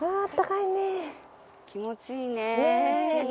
・気持ちいいね・